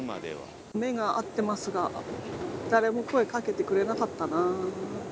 目が合ってますが誰も声かけてくれなかったなぁ。